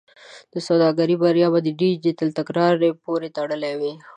د سوداګرۍ بریا به د ډیجیټل تګلارې پورې تړلې وي.